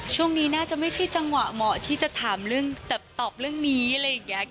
ช่วงนี้น่าจะไม่ใช่จังหวะเหมาะที่จะถามเรื่องแบบตอบเรื่องนี้อะไรอย่างนี้